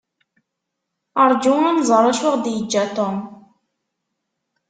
Rju ad nẓer acu i ɣ-d-yeǧǧa Tom.